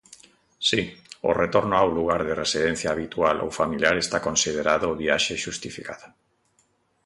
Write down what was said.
Si, o retorno ao lugar de residencia habitual ou familiar está considerado viaxe xustificada.